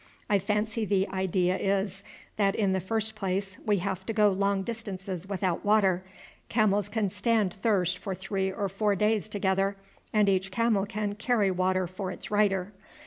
I fancy the idea is that in the first place we have to go long distances without water. Camels can stand thirst for three or four days together, and each camel can carry water for its rider.